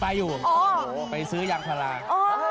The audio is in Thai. ไปไปอยู่ไปซื้อยางพลาก